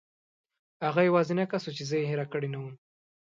هغه یوازینی کس و چې زه یې هېره کړې نه وم.